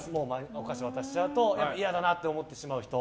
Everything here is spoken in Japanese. お菓子を渡しちゃうと嫌だなって思ってしまう人。